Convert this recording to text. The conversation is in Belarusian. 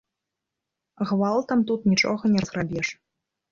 Гвалтам тут нічога не разграбеш.